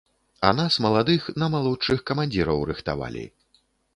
А нас маладых на малодшых камандзіраў рыхтавалі.